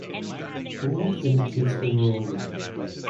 Bold indicates overall winner